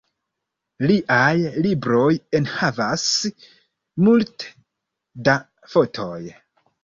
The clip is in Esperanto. Liaj libroj enhavas multe da fotoj.